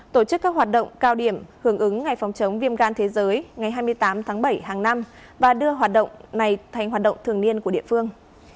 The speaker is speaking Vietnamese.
tổ chức các hoạt động cao điểm hưởng ứng ngày phòng chống viêm gan thế giới ngày hai mươi tám tháng bảy hàng năm và đưa hoạt động này thành hoạt động thường niên của địa phương